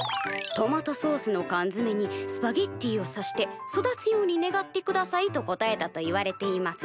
「『トマトソースの缶づめにスパゲッティをさして育つように願ってください』と答えたといわれています」